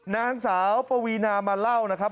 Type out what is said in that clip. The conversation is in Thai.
นางสาวปวีนามาเล่านะครับ